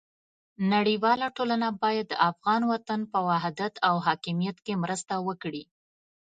نړیواله ټولنه باید د افغان وطن په وحدت او حاکمیت کې مرسته وکړي.